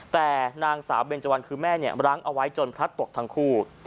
แต่นางสาวเบนเจวันคือแม่รั้งเอาไว้จนพลัดตกทั้งคู่